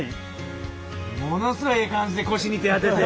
ものすごいええ感じで腰に手当てて。